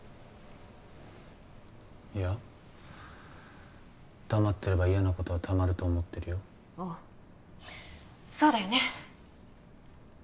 いや黙ってれば嫌なことはたまると思ってるよおうそうだよね